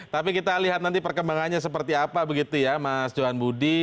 tapi kita lihat nanti perkembangannya seperti apa begitu ya mas johan budi